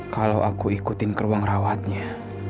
kalau aku ikutin ke ruang rawatnya